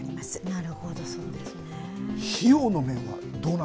なるほど、そうですよね。